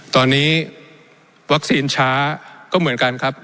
ตอนนี้วัคซีนช้าก็เหมือนกันครับ